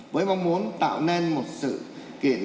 với mong muốn tạo nên một sự kiện điện ảnh